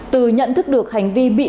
từ nhận thức được hành vi bị